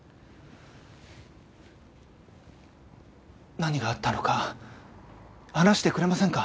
何があったのか話してくれませんか？